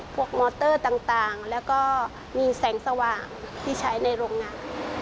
มอเตอร์ต่างแล้วก็มีแสงสว่างที่ใช้ในโรงงาน